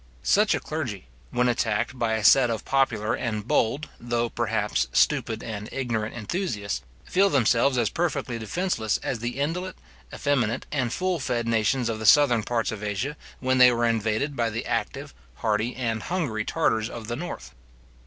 Such a clergy, when attacked by a set of popular and bold, though perhaps stupid and ignorant enthusiasts, feel themselves as perfectly defenceless as the indolent, effeminate, and full fed nations of the southern parts of Asia, when they were invaded by the active, hardy, and hungry Tartars of the north.